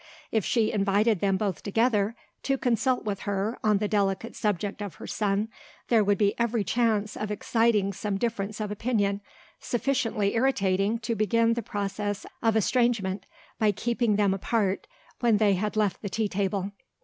If she invited them both together, to consult with her on the delicate subject of her son, there would be every chance of exciting some difference of opinion, sufficiently irritating to begin the process of estrangement, by keeping them apart when they had left the tea table.